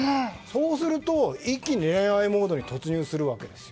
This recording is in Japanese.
そうすると一気に恋愛モードに突入するわけです。